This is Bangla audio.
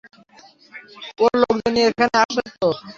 ওর লোকজন নিয়ে এখানে আসছে ও।